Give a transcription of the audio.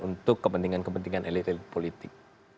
untuk kepentingan kepentingan elit elit politik